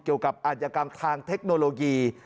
เกี่ยวกับอันยกรรมทางเทคโนโลยี